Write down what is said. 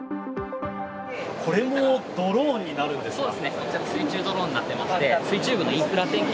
これもドローンになるんですか？